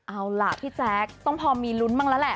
เอาล่ะพี่แจ๊คต้องพอมีลุ้นบ้างแล้วแหละ